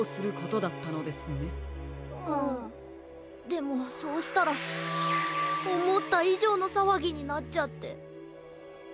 でもそうしたらおもったいじょうのさわぎになっちゃって。